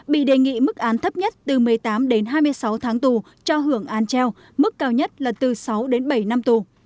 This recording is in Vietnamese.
bị đề nghị mức án thấp nhất từ một mươi tám đến hai mươi sáu tháng tù cho hưởng án treo mức cao nhất là từ sáu đến bảy năm tù